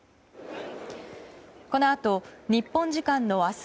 このあと日本時間の明日